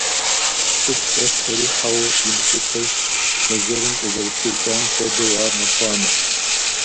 ЦӀыху щӀэсхэри хьэуэ имылъытэу, бэзэрым къызэрытекӀам хуэдэу ар мэхъуанэ.